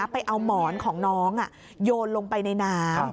ไปเอาหมอนของน้องโยนลงไปในน้ำ